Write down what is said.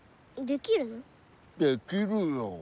できるよ。